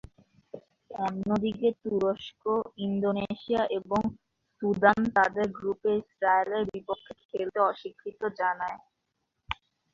অন্যদিকে তুরস্ক, ইন্দোনেশিয়া এবং সুদান তাদের গ্রুপে ইসরায়েলের বিপক্ষে খেলতে অস্বীকৃতি জানায়।